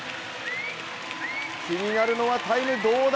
気になるのはタイムどうだ？